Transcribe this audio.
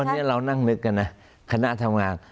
วันนี้เรานั่งนึกกันนะคณะทำงาน